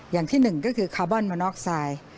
อย่างที่หนึ่งก็คือคาร์บอนมานอกไซด์